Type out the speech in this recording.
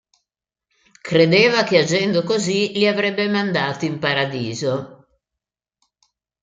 Credeva che agendo così li avrebbe mandati in paradiso.